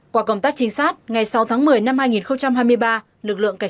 qua công tác trinh sát ngày sáu tháng một mươi năm hai nghìn hai mươi ba